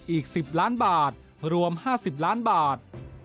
อีก๑๐ล้านบาทรวม๕๐ล้านบาท